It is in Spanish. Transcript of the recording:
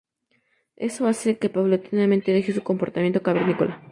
Eso hace que paulatinamente deje su comportamiento cavernícola.